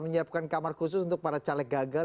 menyiapkan kamar khusus untuk para caleg gagal